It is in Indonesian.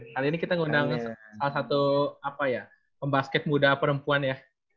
kali ini kita ngundang salah satu pembasket muda perempuan ya